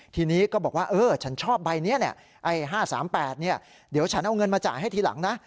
ทีนี้ก็บอกว่าฉันชอบใบนี้๕๓๘เดี๋ยวฉันเอาเงินมาจ่ายให้ทีหลังนะ